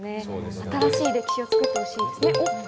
新しい歴史を作ってほしいですね。